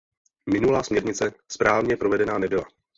Minulá směrnice správně provedena nebyla.